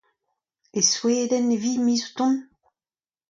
E Sweden e vi ar miz o tont ?